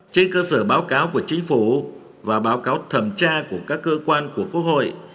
trên cơ sở báo cáo của chính phủ và báo cáo thẩm tra của các cơ quan của quốc hội